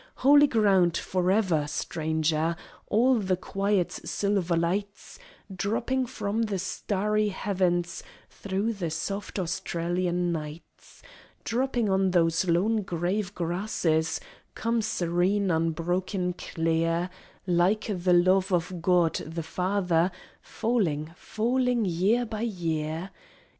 Holy ground for ever, stranger! All the quiet silver lights Dropping from the starry heavens through the soft Australian nights Dropping on those lone grave grasses come serene, unbroken, clear, Like the love of God the Father, falling, falling, year by year!